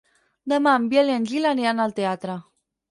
Demà en Biel i en Gil aniran al teatre.